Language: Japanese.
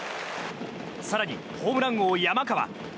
更にホームラン王、山川。